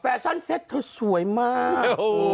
ชั่นเซ็ตเธอสวยมาก